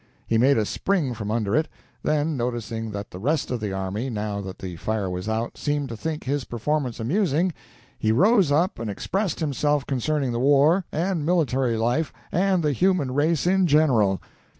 He made a spring from under it; then, noticing that the rest of the army, now that the fire was out, seemed to think his performance amusing, he rose up and expressed himself concerning the war, and military life, and the human race in general.